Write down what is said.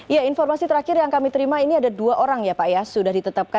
ya informasi terakhir yang kami terima ini ada dua orang ya pak